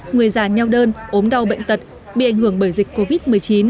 người già nheo đơn ốm đau bệnh tật bị ảnh hưởng bởi dịch covid một mươi chín